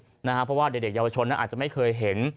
เพราะว่าเด็กเยาวชนนั้นอาจจะไม่เคยเห็น